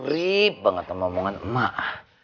ripe banget sama omongan emak